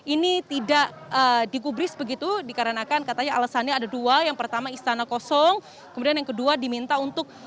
ini tidak digubris begitu dikarenakan katanya alasannya ada dua yang pertama istana kosong kemudian yang kedua diminta untuk